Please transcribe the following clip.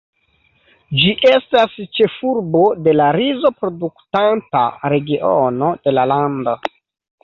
Ĝi estas ĉefurbo de la rizo-produktanta regiono de la lando.